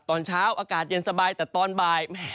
ตอนเช้าอากาศเย็นสบายแต่ตอนบ่าย